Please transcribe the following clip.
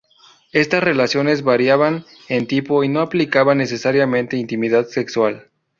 Estas relaciones variaban en tipo y no implicaban necesariamente intimidad sexual.